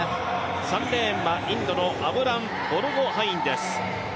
３レーンはインドのアムラン・ボルゴハインです。